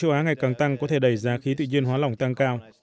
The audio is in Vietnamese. châu á ngày càng tăng có thể đẩy giá khí tự nhiên hóa lỏng tăng cao